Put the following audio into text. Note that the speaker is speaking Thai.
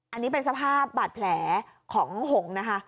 อันนี้เป็นสภาพบาดแผลของหงนะคะ